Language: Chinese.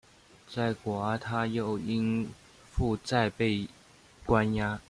在果阿他又因负债被关押。